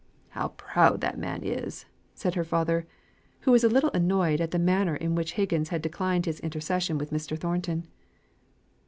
"How proud that man is!" said her father, who was a little annoyed at the manner in which Higgins had declined his intercession with Mr. Thornton.